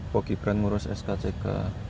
pogi brand ngurus skck